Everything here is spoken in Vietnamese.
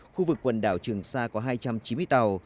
khu vực quần đảo trường sa có hai trăm chín mươi tàu